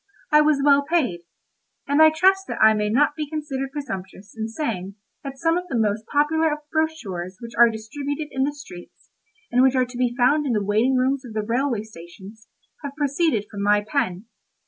I was well paid; and I trust that I may not be considered presumptuous in saying that some of the most popular of the brochures which are distributed in the streets, and which are to be found in the waiting rooms of the railway stations, have proceeded from my pen.